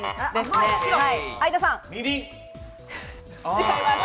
違います。